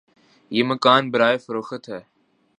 یہ مکان برائے فروخت ہے